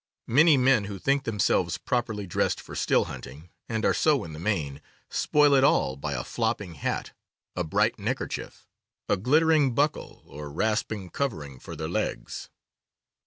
Many men who think themselves properly dressed for still hunting, and are so in the main, spoil it all by a flopping hat, a bright neckerchief, a glittering buckle, or rasp ing covering for their legs.